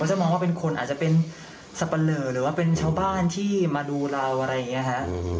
จะมองว่าเป็นคนอาจจะเป็นสับปะเลอหรือว่าเป็นชาวบ้านที่มาดูเราอะไรอย่างนี้ฮะ